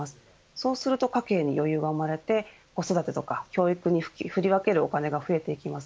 そうすると家計に余裕が生まれて子育てとか教育に振り分けるお金が増えていきます。